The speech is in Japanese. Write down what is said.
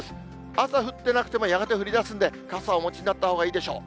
朝降ってなくてもやがて降りだすんで、傘をお持ちになったほうがいいでしょう。